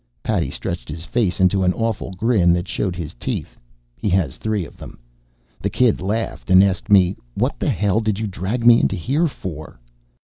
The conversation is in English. Paddy stretched his face into an awful grin that showed his teeth. He has three of them. The kid laughed and asked me: "What the hell did you drag me into here for?"